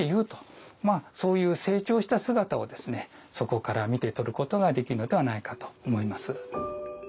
そういう成長した姿をそこから見て取ることができるのではないかと思います。